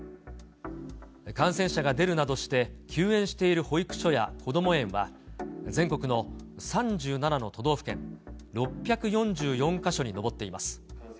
感染者が出るなどして、休園している保育所や子ども園は、全国の３７の都道府県６４４か所に上っています。